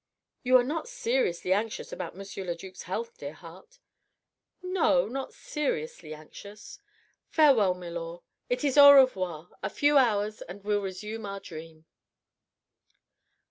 "You are not seriously anxious about M. le duc's health, dear heart?" "No, not seriously anxious. Farewell, milor. It is au revoir ... a few hours and we'll resume our dream."